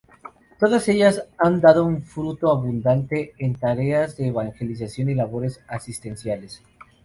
Todas ellas han dado un fruto abundante en tareas de evangelización y labores asistenciales.